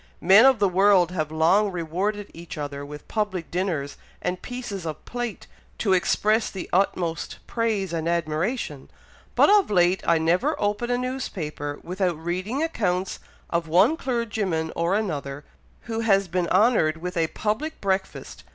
Men of the world have long rewarded each other with public dinners and pieces of plate, to express the utmost praise and admiration, but of late I never open a newspaper without reading accounts of one clergyman or another, who has been 'honoured with a public breakfast!'